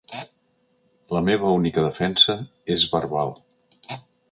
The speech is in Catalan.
La meva única defensa és verbal.